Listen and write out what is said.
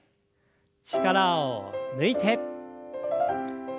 力を抜いて。